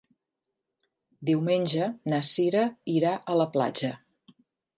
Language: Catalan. Diumenge na Cira irà a la platja.